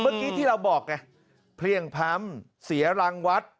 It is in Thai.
เมื่อกี้ที่เราบอกไงเพลี่ยงพล้ำเสียรังวัด